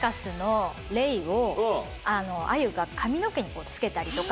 あゆが髪の毛に着けたりとか。